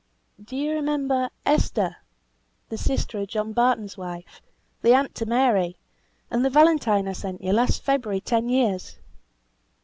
"Do you remember Esther, the sister of John Barton's wife? the aunt to Mary? And the Valentine I sent you last February ten years?"